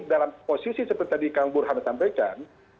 dalam posisi seperti yang burhan sampaikan